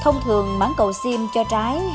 thông thường mãn cầu sim cho trái